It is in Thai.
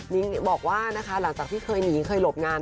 นิ้งบอกว่านะคะหลังจากที่เคยหนีเคยหลบงาน